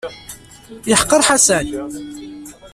Yeḥqer Ḥasan.